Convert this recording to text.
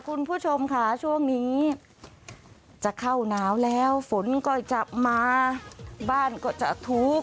คุณผู้ชมค่ะช่วงนี้จะเข้าหนาวแล้วฝนก็จะมาบ้านก็จะทุกข์